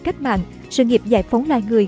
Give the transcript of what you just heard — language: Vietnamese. cách mạng sự nghiệp giải phóng loài người